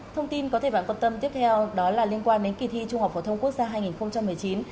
thông tin có thể bạn quan tâm tiếp theo đó là liên quan đến kỳ thi trung học phổ thông quốc gia hai nghìn một mươi chín